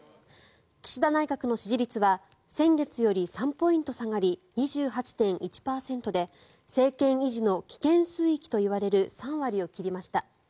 岸田内閣の支持率は先月より３ポイント下がり２８．１％で政権維持の危険水域といわれる３割を切りました。